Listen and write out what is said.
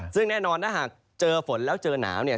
ซึ่งแน่นอนถ้าหากเจอฝนแล้วเจอหนาวเนี่ย